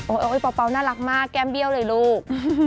โอ๊ยเปล่าน่ารักมากแก้มเบี้ยวเลยลูก